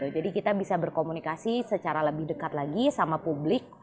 jadi kita bisa berkomunikasi secara lebih dekat lagi sama publik